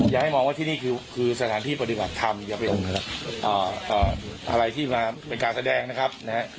อย่าให้มองว่าที่นี่คือสถานที่ปฏิบัติธรรมอย่าเป็นอะไรที่มาเป็นการแสดงนะครับนะฮะ